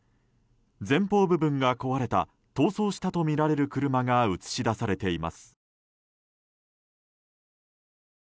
前方部分が壊れた逃走したとみられる車が映し出されています。